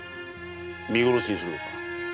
見殺しにするのか？